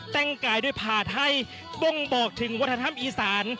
แต่งกายด้วยผ่าไทยบ่งบอกถึงวัฒนธรรมอีสาน